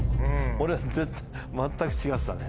俺は絶対全く違ってたね。